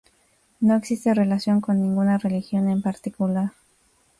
No existe relación con ninguna religión en particular.